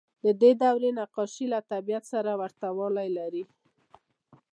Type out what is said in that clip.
د دې دورې نقاشۍ له طبیعت سره ورته والی لري.